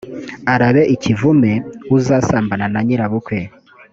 arabe ikivume uzasambana na nyirabukwe